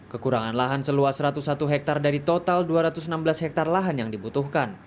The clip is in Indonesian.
kekurangan lahan seluas satu ratus satu hektare dari total dua ratus enam belas hektare lahan yang dibutuhkan